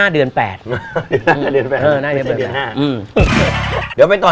และเดือนห้าเออ่หน้าเดือนห้าเออไม่ใช่เดือนห้าอืม